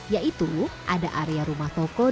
yaitu ada area rumah toko dengan merek lokal